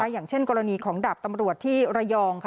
อย่างเช่นกรณีของดาบตำรวจที่ระยอง